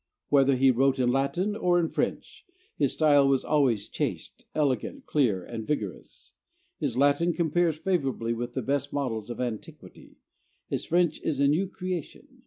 Whether he wrote in Latin or in French, his style was always chaste, elegant, clear, and vigorous. His Latin compares favorably with the best models of antiquity; his French is a new creation.